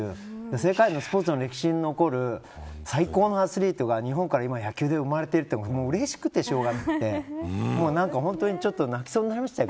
世界のスポーツの歴史に残る最高のアスリートが日本から野球で生まれているってうれしくてしょうがなくて本当にちょっと泣きそうになりましたよ。